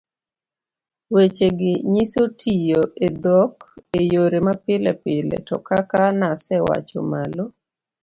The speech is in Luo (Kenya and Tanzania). wechegi nyiso tiyo e dhok e yore mapilepile to kaka nasewacho malo,